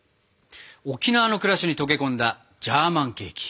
沖縄の暮らしに溶け込んだジャーマンケーキ。